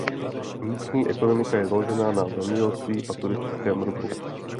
Místní ekonomika je založena na zemědělství a turistickém ruchu.